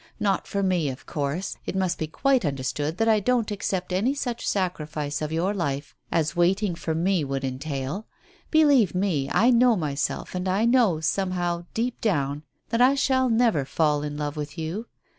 Not for me, of course. It must be quite understood that I don't accept any such sacrifice of your life as waiting for me would entail. Believe me, I know myself, and I know, somehow, deep down, that I shall never fall in love with you.